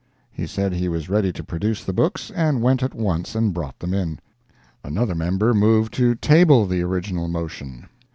He said he was ready to produce the books, and went at once and brought them in. Another member moved to table the original motion.